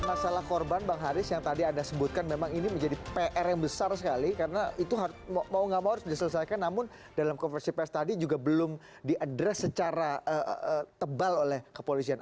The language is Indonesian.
masalah korban bang haris yang tadi anda sebutkan memang ini menjadi pr yang besar sekali karena itu mau gak mau harus diselesaikan namun dalam konversi pers tadi juga belum diadres secara tebal oleh kepolisian